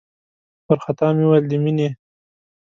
وارخطا مې وويل د مينې.